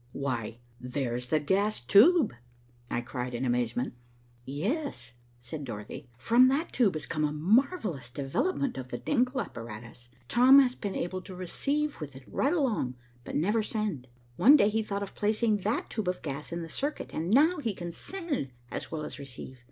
"Why, there's the gas tube," I cried in amazement. "Yes," said Dorothy. "From that tube has come a marvellous development of the Denckel apparatus. Tom has been able to receive with it right along, but never send. One day he thought of placing that tube of gas in the circuit, and now he can send, as well as receive.